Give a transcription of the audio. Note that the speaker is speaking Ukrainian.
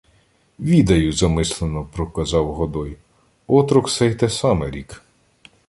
— Відаю, — замислено проказав Годой. — Отрок сей те саме рік.